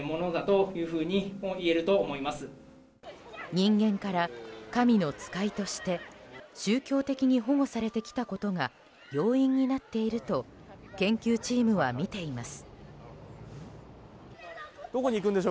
人間から神の使いとして宗教的に保護されてきたことが要因になっていると研究チームは見ています。